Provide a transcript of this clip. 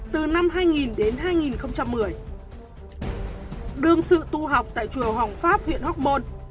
từ năm hai nghìn đến hai nghìn một đương sự tu học tại chùa hồng pháp huyện hóc môn